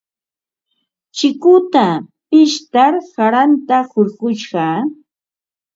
Chikuta pishtar qaranta hurqushqaa.